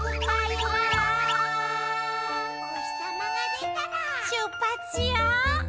「おひさまがでたらしゅっぱしよう！」